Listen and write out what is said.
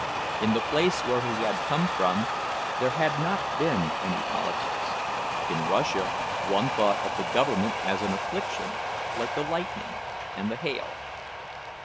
In the place where he had come from there had not been any politics—in Russia one thought of the government as an affliction like the lightning and the hail.